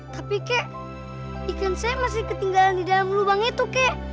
tapi kek ikan saya masih ketinggalan di dalam lubang itu kek